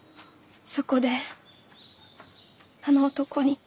そこであの男に。